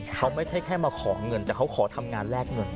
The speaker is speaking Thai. เขาไม่ใช่แค่มาขอเงินแต่เขาขอทำงานแลกเงิน